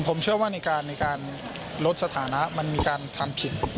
ผมเชื่อว่าในการลดสถานะมันมีการทำผิด